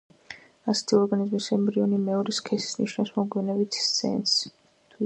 ასეთი ორგანიზმის ემბრიონი მეორე სქესის ნიშნების მოგვიანებით იძენს.